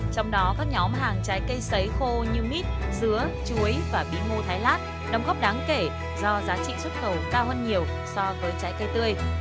trong đó các nhóm hàng trái cây sấy khô như mít dứa chuối và bí ngô thái lát đồng góp đáng kể do giá trị xuất khẩu cao hơn nhiều so với trái cây tươi